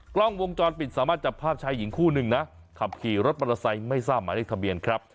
กล้องวงจรปิดสามารถจับภาพชายหญิงคู่หนึ่งนะขับขี่รถมอเตอร์ไซค์ไม่ทราบหมายเลขทะเบียนครับ